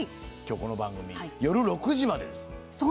この番組、夜６時までです。